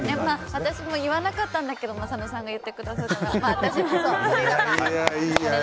私も言わなかったんだけど佐野さんが言ってくださったから。